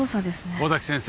尾崎先生